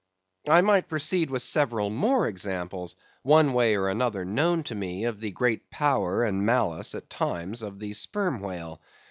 I might proceed with several more examples, one way or another known to me, of the great power and malice at times of the sperm whale.